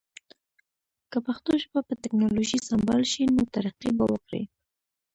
که پښتو ژبه په ټکنالوژی سمبال شی نو ترقی به وکړی